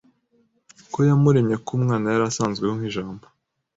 ko yamuremye kuko Umwana yari asanzweho nk'Ijambo